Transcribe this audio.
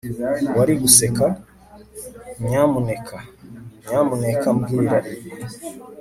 wari guseka? nyamuneka, nyamuneka mbwira ibi